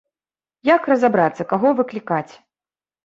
Як разабрацца, каго выклікаць?